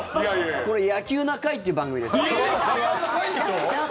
これ「野球な会」っていう番組です。